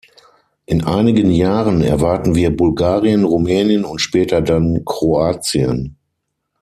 In einigen Jahren erwarten wir Bulgarien, Rumänien und später dann Kroatien.